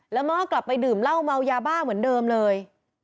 แล้วม้อกลับไปดื่มเหล้าเมายาบ้าเหมือนเดิมเลย